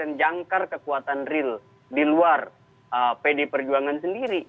yang jangkar kekuatan real di luar pd perjuangan sendiri